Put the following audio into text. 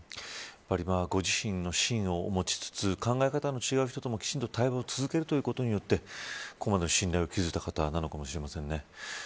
やっぱりご自身の芯を持ちつつ考え方の違う方ともきちんと対話を続けることによってここまでの信頼を築いた方なのかもしれませんね。